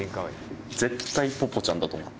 絶対ぽぽちゃんだと思った。